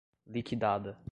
liquidada